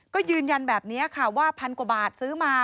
ก็ยืนยันแบบนี้ค่ะว่าพันกว่าบาทซื้อมา